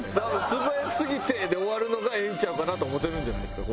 素早すぎてで終わるのがええんちゃうかなと思ってるんじゃないんですか？